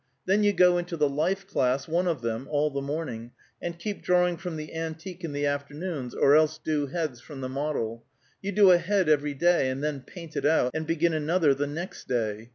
Then you go into the life class, one of them, all the morning, and keep drawing from the antique in the afternoons, or else do heads from the model. You do a head every day, and then paint it out, and begin another the next day.